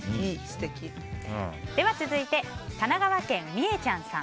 続いて、神奈川県の方。